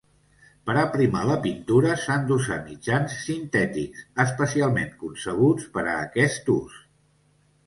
Per aprimar la pintura s'han d'usar mitjans sintètics, especialment concebuts per a aquest ús.